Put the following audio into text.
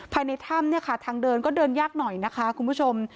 ภายในถ้ำเนี่ยค่ะทางเดินก็เดินยากหน่อยนะคะคุณผู้ชม